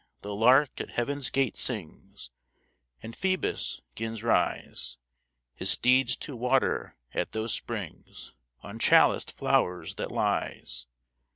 the lark at heav'n's gate sings, And Phoebus 'gins arise, His steeds to water at those springs, On chaliced flowers that lies.